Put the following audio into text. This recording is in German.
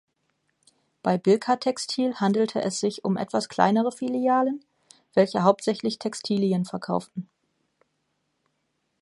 Bei Bilka-Textil handelte es sich um etwas kleinere Filialen, welche hauptsächlich Textilien verkauften.